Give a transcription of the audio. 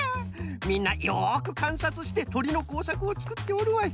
みんなよくかんさつしてとりのこうさくをつくっておるわい。